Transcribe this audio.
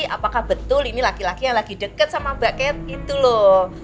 apakah betul ini laki laki yang lagi deket sama mbak ket itu loh